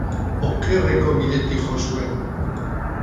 Okerreko bidetik jo zuen.